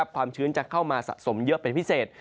ความชื้นจะเข้ามาสะสมเยอะเป็นพิเศษ